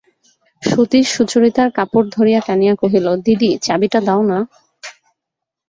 সতীশ সুচরিতার কাপড় ধরিয়া টানিয়া কহিল, দিদি, চাবিটা দাও-না।